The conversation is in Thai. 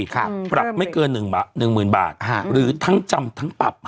ครับพระรับไม่เกินหนึ่งหนึ่งหมื่นบาทฮะหรือทั้งจำทั้งปรับ